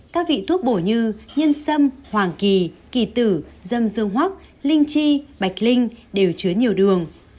các vị thuốc bổ như nhân sâm hoàng kỳ kỳ tử dâm dương hóc linh chi bạch linh đều chứa nhiều đường